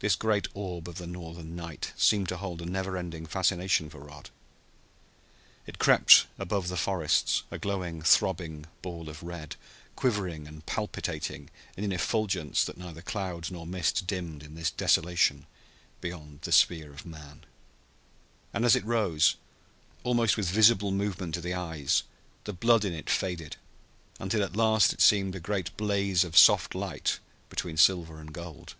This great orb of the Northern night seemed to hold a never ending fascination for Rod. It crept above the forests, a glowing, throbbing ball of red, quivering and palpitating in an effulgence that neither cloud nor mist dimmed in this desolation beyond the sphere of man; and as it rose, almost with visible movement to the eyes, the blood in it faded, until at last it seemed a great blaze of soft light between silver and gold.